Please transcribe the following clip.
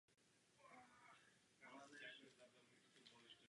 Zkostnatělý rozpočtový model Evropské unie je třeba změnit.